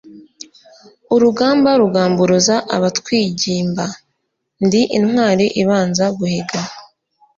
Urugamba rugamburuza abatwigimba. Ndi intwari ibanza guhiga